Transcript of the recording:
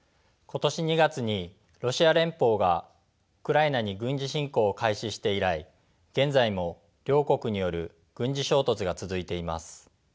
今年２月にロシア連邦がウクライナに軍事侵攻を開始して以来現在も両国による軍事衝突が続いています。